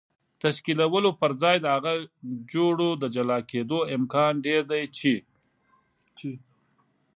تشکیلولو پر ځای د هغو جوړو د جلا کېدو امکان ډېر دی چې